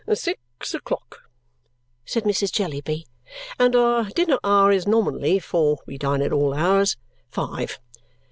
"Six o'clock!" said Mrs. Jellyby. "And our dinner hour is nominally (for we dine at all hours) five!